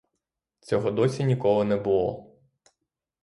Цього досі ніколи не було.